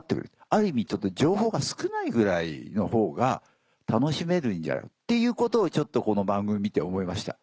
ある意味情報が少ないぐらいのほうが楽しめるんじゃっていうことをちょっとこの番組見て思いました。